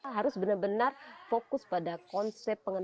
harus benar benar fokus pada konsep pengembangan